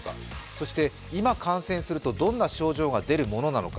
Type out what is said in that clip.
そして今、感染するとどんな症状が出るものなのか。